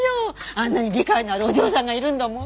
あんなに理解のあるお嬢さんがいるんだもん。